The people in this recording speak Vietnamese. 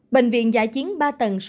bệnh viện giá chiến ba tầng số một mươi bốn